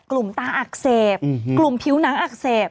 ตาอักเสบกลุ่มผิวหนังอักเสบ